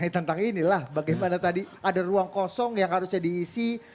tentang inilah bagaimana tadi ada ruang kosong yang harusnya diisi